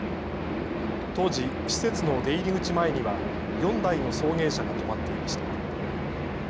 当時、施設の出入り口前には４台の送迎車が止まっていました。